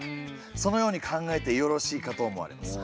そのように考えてよろしいかと思われます。